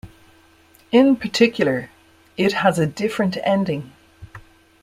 In particular it has a different ending.